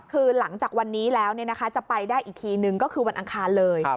คือหลังจากวันนี้แล้วจะไปได้อีกทีนึงก็คือวันอังคารเลย